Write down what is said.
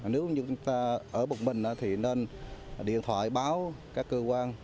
nếu như chúng ta ở một mình thì nên điện thoại báo các cơ quan